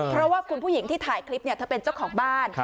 เพราะว่าคุณผู้หญิงที่ถ่ายคลิปเธอเป็นเจ้าของบ้าน